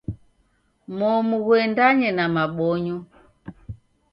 Momu ghuendanye na mabonyo.